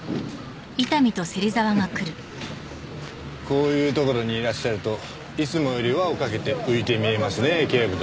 こういうところにいらっしゃるといつもより輪をかけて浮いて見えますね警部殿。